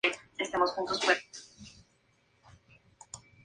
Como compositora su legado ha sido más notorio.